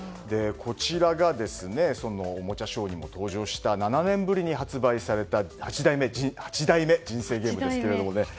こちらがおもちゃショーにも登場した７年ぶりに発売された８代目人生ゲームですけどね。